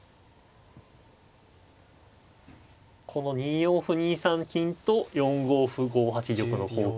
この２四歩２三金と４五歩５八玉の交換